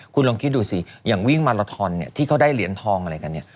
คุณลองคิดดูสิอย่างวิ่งมาลาทอนที่เขาได้เหรียญทองอะไรกันเนี่ย